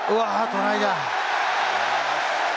トライだ！